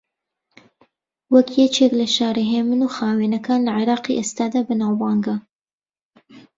وەک یەکێک لە شارە ھێمن و خاوێنەکان لە عێراقی ئێستادا بەناوبانگە